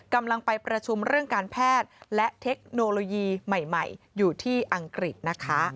กำลังไปประชุมเรื่องการแพทย์และเทคโนโลยีใหม่อยู่ที่อังกฤษนะคะ